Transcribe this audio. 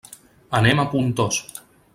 Anem a Pontós.